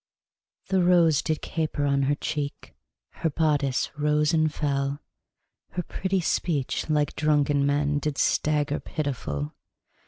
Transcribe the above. The rose did caper on her cheek, Her bodice rose and fell, Her pretty speech, like drunken men, Did stagger pitiful.